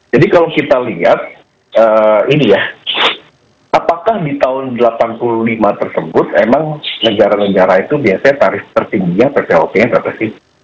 jadi kalau kita lihat ini ya apakah di tahun delapan puluh lima tersebut emang negara negara itu biasanya tarif tertingginya terjawabnya tertinggi